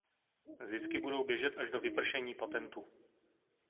Zisky budou běžet až do vypršení patentu.